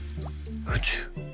宇宙？